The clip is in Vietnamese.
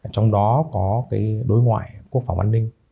trong đó có đối ngoại quốc phòng an ninh